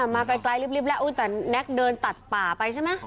มาไกลลิฟต์แล้วแต่แน็กเดินตัดป่าไปใช่ไหม